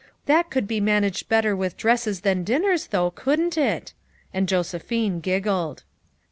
That could be managed better with dresses than dinners, though, couldn't it?" and Josephine giggled.